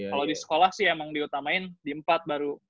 kalau di sekolah sih emang diutamain di empat baru